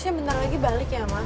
mungkin bentar lagi balik ya ma